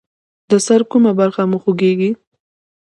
د سر کومه برخه مو خوږیږي؟